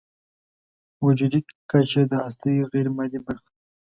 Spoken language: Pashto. وجودي کچه د هستۍ غیرمادي برخه ده.